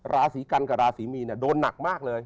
ราศีกันกับราศีมีนโดนหนักมากเลย